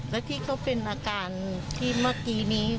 และที่เขาเป็นอาการที่เมื่อกี้นี้